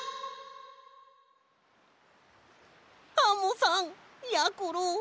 アンモさんやころ。